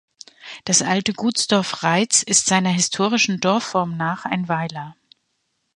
Das alte Gutsdorf Reitz ist seiner historischen Dorfform nach ein Weiler.